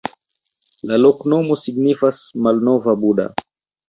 La loknomo signifas: malnova Buda.